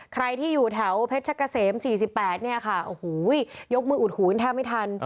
ใครที่อยู่แถวเพชรกะเสม๔๘เนี่ยค่ะโอ้โหยกมืออุดหูกันแทบไม่ทัน